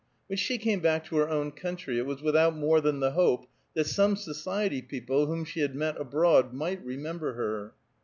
When she came back to her own country, it was without more than the hope that some society people, whom she had met abroad, might remember her.